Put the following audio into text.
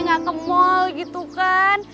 nggak ke mall gitu kan